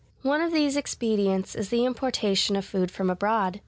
One of these expedients is the importation of food from abroad.